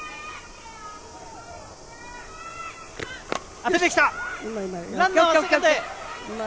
当てて来た。